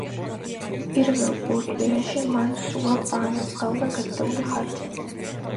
პირველ ორ კვირაში მან სრულად აანაზღაურა გაწეული ხარჯები.